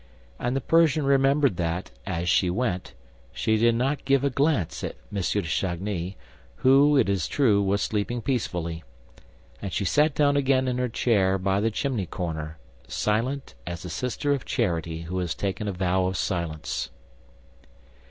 And the Persian remembered that, as she went, she did not give a glance at M. de Chagny, who, it is true, was sleeping peacefully; and she sat down again in her chair by the chimney corner, silent as a sister of charity who had taken a vow of silence.